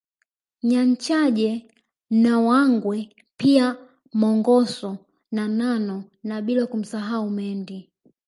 Nyanchage na Wangwe pia Mongoso na Nano na bila kumsahau Mendi